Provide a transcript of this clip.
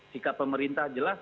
sikap pemerintah jelas